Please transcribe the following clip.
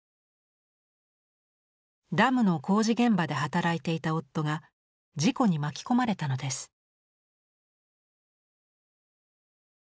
ダムの工事現場で働いていた夫が事故に巻き込まれたのです。